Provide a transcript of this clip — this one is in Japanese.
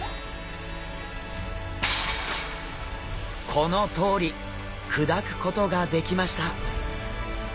このとおり砕くことができました。